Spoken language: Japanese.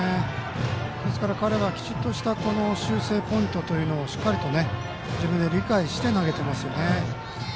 彼はきちっとした修正ポイントというのをしっかりと自分で理解して投げてますよね。